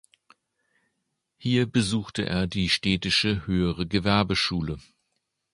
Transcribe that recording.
Hier besuchte er die städtische Höhere Gewerbeschule.